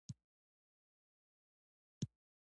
حاجې مستعان سره منشي وو ۔